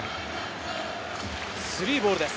３ボールです。